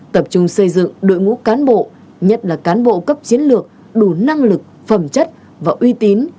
tập trung xây dựng đội ngũ cán bộ nhất là cán bộ cấp chiến lược đủ năng lực phẩm chất và uy tín